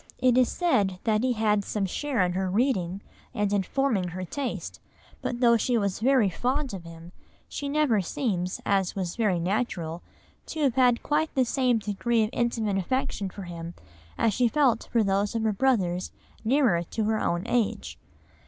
It is said that he had some share in her reading and in forming her taste, but though she was very fond of him she never seems, as was very natural, to have had quite the same degree of intimate affection for him as she felt for those of her brothers nearer to her own age.